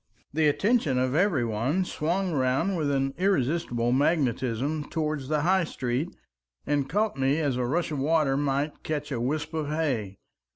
... The attention of every one swung round with an irresistible magnetism towards the High Street, and caught me as a rush of waters might catch a wisp of hay.